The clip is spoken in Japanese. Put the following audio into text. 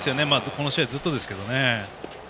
この試合ずっとですけどね。